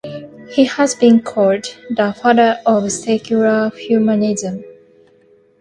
He has been called "the father of secular humanism".